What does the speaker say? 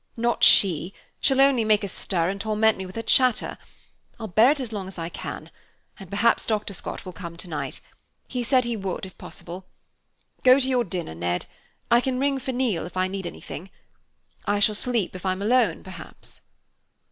"Not she, she'll only make a stir and torment me with her chatter. I'll bear it as long as I can, and perhaps Dr. Scott will come tonight. He said he would if possible. Go to your dinner, Ned. I can ring for Neal if I need anything. I shall sleep if I'm alone, perhaps."